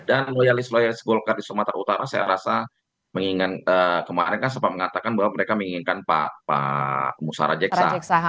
dan loyalis loyalis golkar di sumatera utara saya rasa kemarin kan sempat mengatakan bahwa mereka menginginkan pak musara jeksa